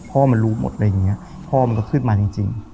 พ่อมันรู้หมดอะไรอย่างนี้พ่อมันก็ขึ้นมาจริง